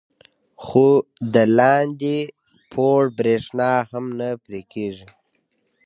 خو د لاندې پوړ برېښنا هم نه پرې کېږي.